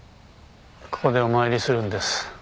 ここでお参りするんです。